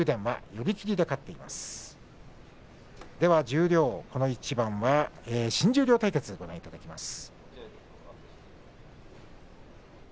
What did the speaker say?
十両この一番は新十両対決をご覧いただきます。